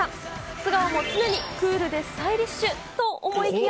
素顔も常にクールでスタイリッシュと思いきや。